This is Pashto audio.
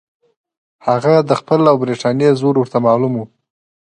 هغه د خپل او برټانیې زور ورته معلوم وو.